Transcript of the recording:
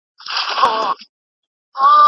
خلکو وویل چي جګړي ټول پلانونه خراب کړل.